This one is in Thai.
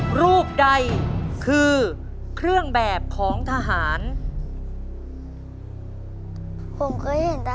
คุณผู้ชมครับถึงแม้ว่าเรื่องราวของความตายจะเป็นเรื่องแบบของทหาร